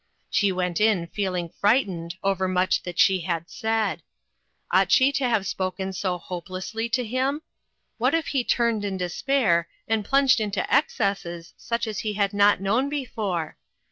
She went in feeling frightened over much that she had said. Ought she 328 INTERRUPTED. to have spoken so hopelessly to him ? What if he turned in despair, and plunged into excesses such as he had not known before?